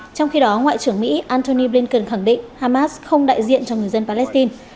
trong khi đó ngoại trưởng mỹ antony blinken khẳng định hamas không đại diện cho người dân palestine